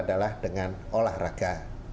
adalah dengan olahraga